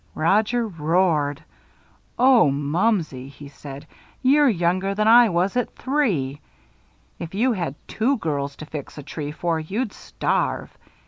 Roger roared. "Oh, Mumsey!" he said. "You're younger than I was at three. If you had two girls to fix a tree for, you'd starve.